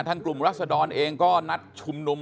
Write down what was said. กลุ่มรัศดรเองก็นัดชุมนุม